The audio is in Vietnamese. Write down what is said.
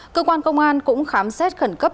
cơ quan công an cũng khám xét khẩn cấp